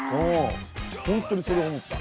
本当にそれ思った。